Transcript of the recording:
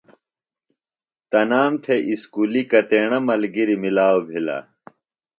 ݨ تنام تھےۡ اُسکُلیۡ کتیݨہ ملگِریۡ ملاؤ بِھلہ؟